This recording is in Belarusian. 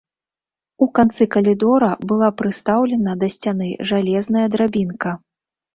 У канцы калідора была прыстаўлена да сцяны жалезная драбінка.